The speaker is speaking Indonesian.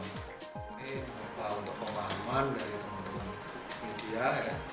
ini untuk pengalaman dari teman teman media